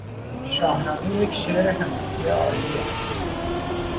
شاهنامه یک شعر حماسی عالی است.